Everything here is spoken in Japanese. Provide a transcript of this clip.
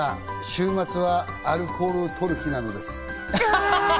週末はアルコールを取る日なのです。